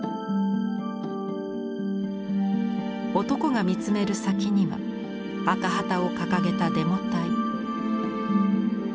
男が見つめる先には赤旗を掲げたデモ隊。